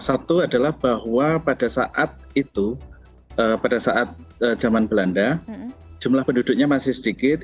satu adalah bahwa pada saat itu pada saat zaman belanda jumlah penduduknya masih sedikit